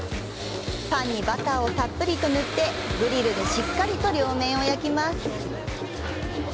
パンにバターをたっぷりと塗ってグリルでしっかりと両面を焼きます。